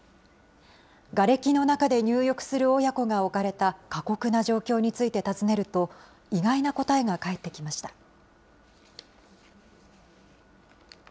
がれきの中で入浴する親子が置かれた過酷な状況について尋ねると、意外な答えが返ってきました。